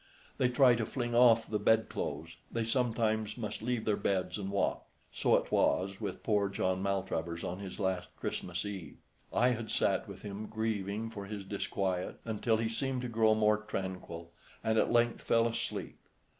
They try to fling off the bedclothes, they sometimes must leave their beds and walk. So it was with poor John Maltravers on his last Christmas Eve. I had sat with him grieving for his disquiet until he seemed to grow more tranquil, and at length fell asleep.